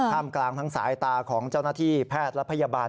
มกลางทั้งสายตาของเจ้าหน้าที่แพทย์และพยาบาล